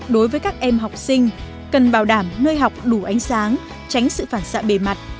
đối với các em học sinh cần bảo đảm nơi học đủ ánh sáng tránh sự phản xạ bề mặt